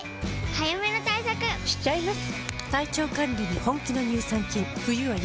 早めの対策しちゃいます。